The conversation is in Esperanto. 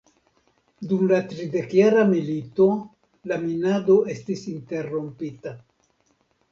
Dum la tridekjara milito la minado estis interrompita.